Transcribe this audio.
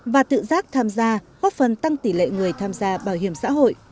và tự giác tham gia góp phần tăng tỷ lệ người tham gia bảo hiểm xã hội